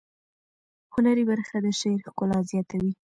هنري برخه د شعر ښکلا زیاتوي.